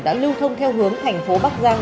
đã lưu thông theo hướng thành phố bắc giang